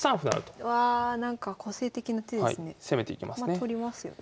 まあ取りますよね。